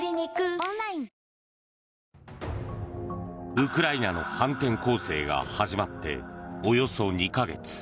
ウクライナの反転攻勢が始まっておよそ２か月。